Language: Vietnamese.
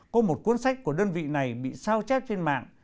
có một cuốn sách của đơn vị này bị sao chép trên mạng